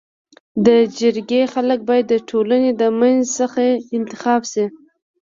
د جرګي خلک بايد د ټولني د منځ څخه انتخاب سي.